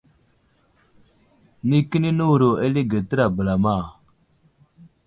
Nay kəni nəwuro alige tera bəlama.